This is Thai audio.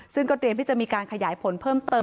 ซึ่งก็เตรียมที่จะมีการขยายผลเพิ่มเติม